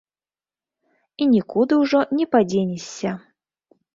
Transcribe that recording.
І нікуды ўжо не падзенешся.